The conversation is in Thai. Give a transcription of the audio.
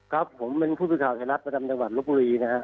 ครับผมเป็นผู้สื่อข่าวไทยรัฐประจำจังหวัดลบบุรีนะฮะ